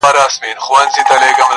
ما یې لمن کي اولسونه غوښتل،